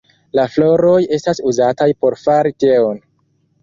La floroj estas uzataj por fari teon.